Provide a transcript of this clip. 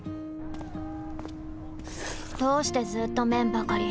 どうしてずーっと麺ばかり！